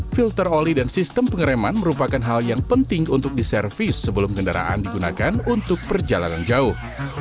filter oli dan sistem pengereman merupakan hal yang penting untuk diservis sebelum kendaraan digunakan untuk perjalanan jauh